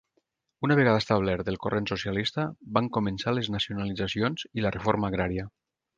Una vegada establert el corrent socialista, van començar les nacionalitzacions i la reforma agrària.